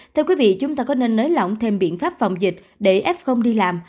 thưa quý vị chúng ta có nên nới lỏng thêm biện pháp phòng dịch để f đi làm